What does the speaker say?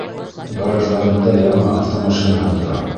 Гараждарында яңы автомашинаһы тора.